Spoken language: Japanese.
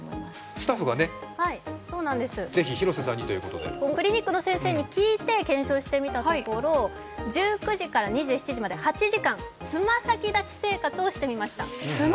スタッフがぜひ広瀬さんにということでクリニックの先生に聞いて検証してみたところ、１９時から２７時まで８時間、爪先立ち生活をしてみました。